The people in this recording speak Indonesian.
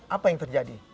apa yang terjadi